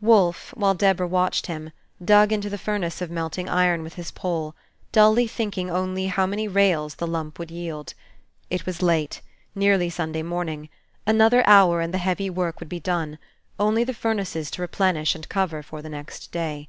Wolfe, while Deborah watched him, dug into the furnace of melting iron with his pole, dully thinking only how many rails the lump would yield. It was late, nearly Sunday morning; another hour, and the heavy work would be done, only the furnaces to replenish and cover for the next day.